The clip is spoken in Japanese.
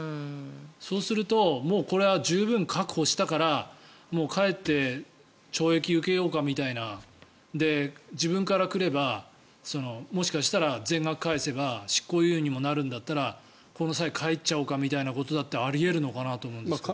そうするとこれは十分確保したからもう帰って懲役を受けようかみたいな自分から来ればもしかしたら全額返せば執行猶予にもなるんだったらこの際帰っちゃおうかみたいなこともあり得るのかなと思うんですけど。